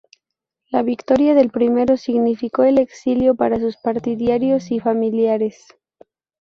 La victoria del primero significo el exilio para sus partidarios y familiares.